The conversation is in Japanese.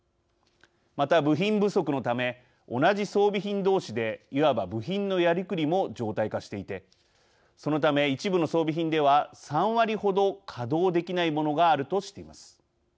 また、部品不足のため同じ装備品同士でいわば部品のやりくりも常態化していて、そのため一部の装備品では３割程稼働できないものがあるとしています。